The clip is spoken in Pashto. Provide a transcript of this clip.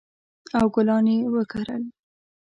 او ګلان یې وکرل